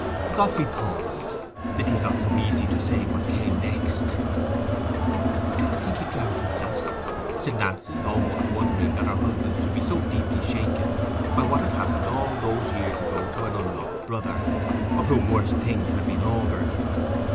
Godfrey paused: it was not so easy to say what came next. "Do you think he drowned himself?" said Nancy, almost wondering that her husband should be so deeply shaken by what had happened all those years ago to an unloved brother, of whom worse things had been augured.